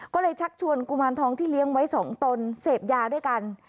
ก็เลยชักชวนกุมารทองที่เลี้ยงไว้๒ตนเสพยาด้วยกัน